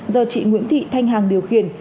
do chị nguyễn thị thanh hàng điều khiển